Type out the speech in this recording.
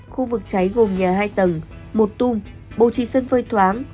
khu vực cháy gồm nhà hai tầng một tung bố trí sân phơi thoáng